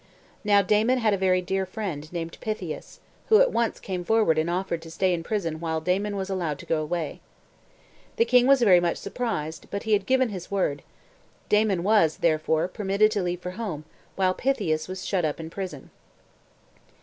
Now, Damon had a very dear friend, named Pythias, who at once came forward and offered to stay in prison while Damon was allowed to go away. The king was very much surprised, but he had given his word; Damon was therefore permitted to leave for home, while Pythias was shut up in prison.